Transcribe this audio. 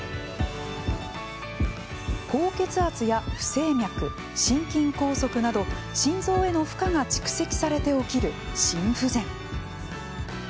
高血圧や不整脈、心筋梗塞など心臓への負荷が蓄積されて起きる「心不全」。